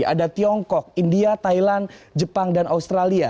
ada tiongkok india thailand jepang dan australia